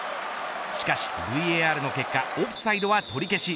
しかしＶＡＲの結果オフサイドは取り消し。